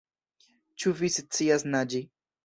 Ĉu vi scias naĝi?